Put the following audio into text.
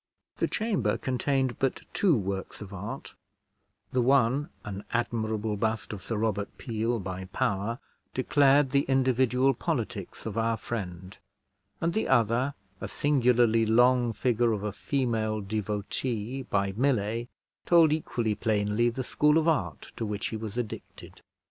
The chamber contained but two works of art: the one, an admirable bust of Sir Robert Peel, by Power, declared the individual politics of our friend; and the other, a singularly long figure of a female devotee, by Millais, told equally plainly the school of art to which he was addicted.